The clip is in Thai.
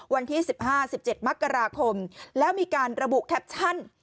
วันที่๑๕๑๗มกราคมแล้วมีการระบุแคปชั่น